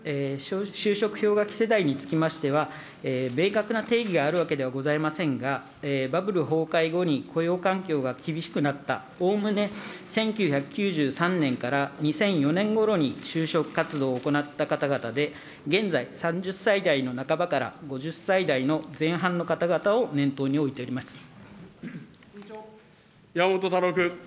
就職氷河期世代につきましては、明確な定義があるわけではございませんが、バブル崩壊後に雇用環境が厳しくなった、おおむね１９９３年から２００４年ごろに就職活動を行った方々で、現在３０歳代の半ばから５０歳代の前半の方々を念頭に置いており山本太郎君。